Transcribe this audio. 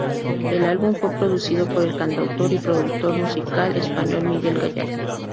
El álbum fue producido por el cantautor y productor musical español Miguel Gallardo.